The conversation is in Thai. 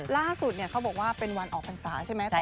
ล่าสุดเขาบอกว่าเป็นวันออกพรรษาใช่ไหม